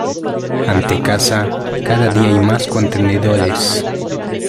Ante casa cada día hay más contenedores.